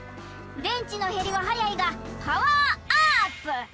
でんちのへりははやいがパワーアップ！